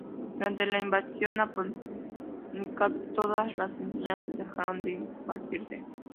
Durante la invasión Napoleónica, todas las enseñanzas dejaron de impartirse.